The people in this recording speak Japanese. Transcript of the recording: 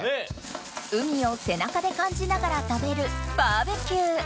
海を背中で感じながら食べるバーベキュー